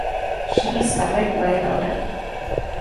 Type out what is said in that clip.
She is survived by a daughter.